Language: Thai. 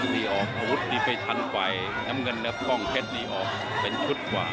ตีออกอาวุธตีไปทันไหวน้ำเงินเนื้อฟ่องเพชรตีออกเป็นชุดกว่า